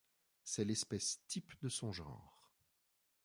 C'est l'espèce type de son genre.